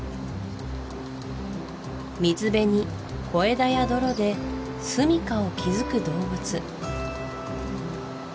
水辺に小枝や泥ですみかを築く動物